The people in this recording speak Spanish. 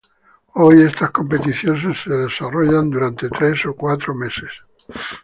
Hoy, estas competiciones se desarrollan durante tres o cuatro meses.